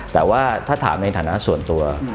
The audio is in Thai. แต่ว่าถ้าถามในฐานะส่วนตัว